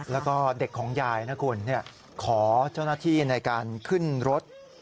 แล้วก็เด็กของยายนะคุณขอเจ้าหน้าที่ในการขึ้นรถ